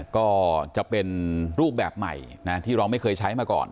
ก็จะเป็นรูปแบบใหม่ที่เราไม่เคยใช้มาก่อน